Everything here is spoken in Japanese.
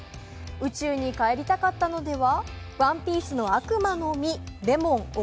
宇宙に帰りたかったのでは？